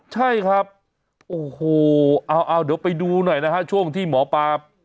ใช่ครับโอ้โหเอาเดี๋ยวไปดูหน่อยนะฮะช่วงที่หมอปลา